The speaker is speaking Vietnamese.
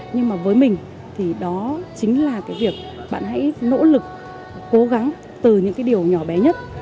nhưng mà với mình thì đó chính là cái việc bạn hãy nỗ lực cố gắng từ những cái điều nhỏ bé nhất